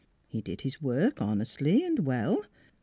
He did his work honestly and well.